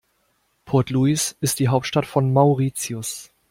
Port Louis ist die Hauptstadt von Mauritius.